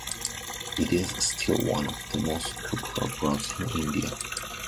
It is still one of the most popular brands in India.